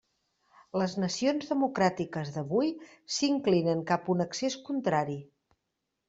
Les nacions democràtiques d'avui s'inclinen cap a un excés contrari.